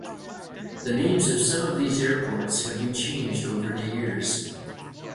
The names of some of these airports have been changed over the years.